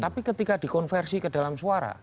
tapi ketika dikonversi ke dalam suara